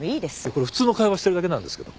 これ普通の会話してるだけなんですけど。